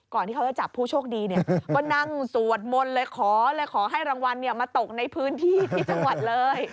ที่เขาจะจับผู้โชคดีเนี่ยก็นั่งสวดมนต์เลยขอเลยขอให้รางวัลมาตกในพื้นที่ที่จังหวัดเลย